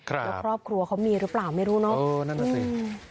แล้วครอบครัวเขามีหรือเปล่าไม่รู้เนอะเออนั่นแหละสิ